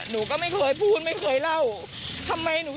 หนูก็ไม่เคยพูดไม่เคยเล่า